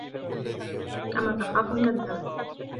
كَمَا تَخَافُ مِنْ الدَّاءِ